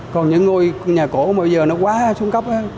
còn những ngôi nhà cổ mà bây giờ nó quá xuống cấp